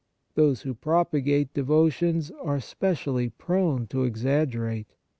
Those who propagate devotions are specially prone to exaggerate.